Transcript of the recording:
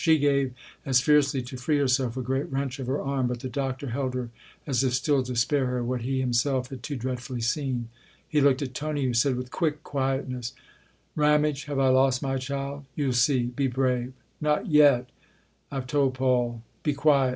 She gave, as fiercely, to free herself, a great wrench of her arm, but the Doctor held her as if still to spare her what he himself had too dreadfully seen. He looked at Tony, who said with quick quietness " Ramage, have I lost my child ?"" You '11 see be brave. Not yet I've told Paul. 254 THE OTHER HOUSE Be quiet